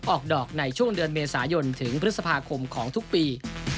ออกดอกในช่วงเดือนเมษายนถึงพฤษภาคมของทุกปี